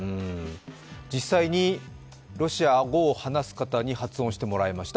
実際にロシア語を話す方に発音してもらいました。